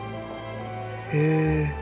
へえ。